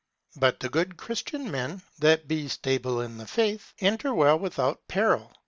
But the good Christian men, that be stable in the faith, enter well without peril.